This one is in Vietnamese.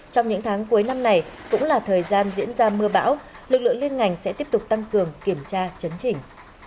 trong những tháng cuối năm này cũng là thời gian diễn ra mưa bão lực lượng liên ngành sẽ tiếp tục tăng cường kiểm tra chấn chỉnh